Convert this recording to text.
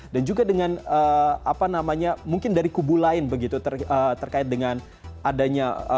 dan juga dengan apa namanya mungkin dari kubu lain begitu terkait dengan adanya